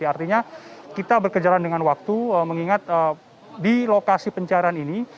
artinya kita berkejaran dengan waktu mengingat di lokasi pencarian ini